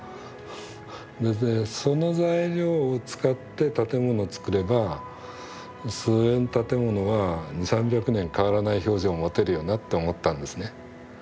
それでその材料を使って建物つくればその建物は２００３００年変わらない表情を持てるよなって思ったんですね。